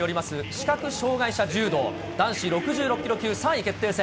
視覚障害者柔道、男子６６キロ級３位決定戦。